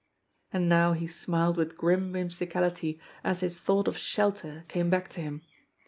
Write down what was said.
And now he smiled with grim whimsicality as his thought of shelter came back to him.